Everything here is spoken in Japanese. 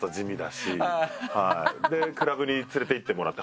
クラブに連れて行ってもらって。